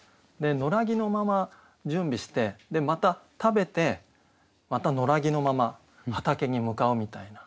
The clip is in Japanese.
野良着のまま準備してでまた食べてまた野良着のまま畑に向かうみたいな